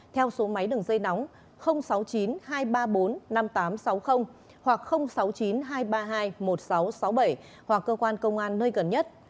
theo số máy đường dây nóng sáu mươi chín hai trăm ba mươi bốn năm nghìn tám trăm sáu mươi hoặc sáu mươi chín hai trăm ba mươi hai một nghìn sáu trăm sáu mươi bảy hoặc cơ quan công an nơi gần nhất